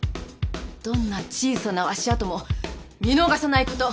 どんな小さな足跡も見逃さないこと。